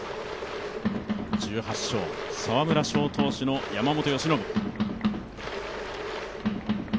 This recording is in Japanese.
１８勝、沢村賞投手の山本由伸。